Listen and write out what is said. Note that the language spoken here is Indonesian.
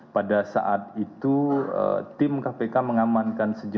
pada saat itu tim kpk mengamankan sejumlah